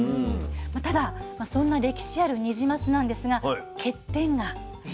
ただそんな歴史あるニジマスなんですが欠点がありました。